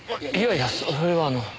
いやいやそれはあの。